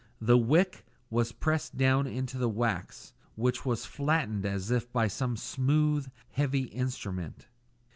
The wick was pressed down into the wax, which was flattened as if by some smooth, heavy instrument.